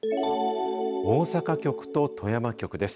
大阪局と富山局です。